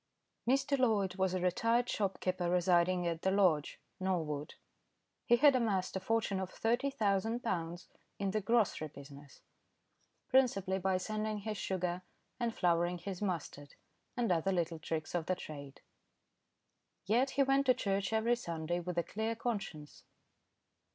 Mr. Loyd was a retired shopkeeper residing at The Lodge, Norwood. He had amassed a fortune of thirty thousand pounds in the grocery business, principally by sanding his sugar and flouring his mustard, and other little tricks of the trade. Yet he went to church every Sunday with a clear conscience.